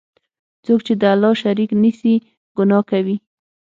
څوک چی د الله شریک نیسي، ګناه کوي.